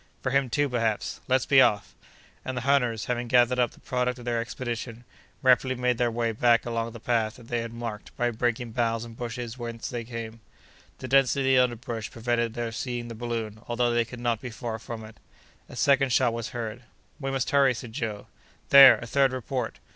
"For him, too, perhaps." "Let's be off!" And the hunters, having gathered up the product of their expedition, rapidly made their way back along the path that they had marked by breaking boughs and bushes when they came. The density of the underbrush prevented their seeing the balloon, although they could not be far from it. A second shot was heard. "We must hurry!" said Joe. "There! a third report!"